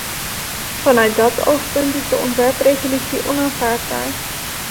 Vanuit dat oogpunt is de ontwerpresolutie onaanvaardbaar.